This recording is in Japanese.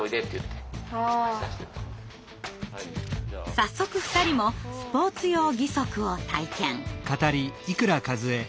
早速２人もスポーツ用義足を体験。